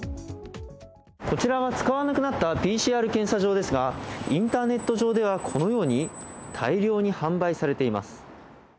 こちらは使わなくなったＰＣＲ検査場ですがインターネット上では、このように大量に販売されています。